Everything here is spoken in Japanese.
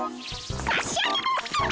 さし上げます。